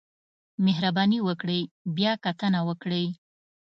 مهرباني وکړئ بیاکتنه وکړئ